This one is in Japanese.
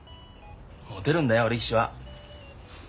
もてるんだよ力士は。